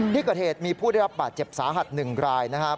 ที่เกิดเหตุมีผู้ได้รับบาดเจ็บสาหัส๑รายนะครับ